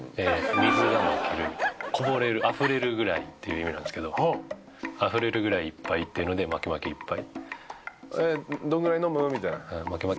水がまけるこぼれるあふれるぐらいっていう意味なんですけどあふれるぐらいいっぱいっていうのでまけまけいっぱい。